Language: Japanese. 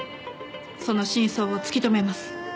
その真相を突き止めます。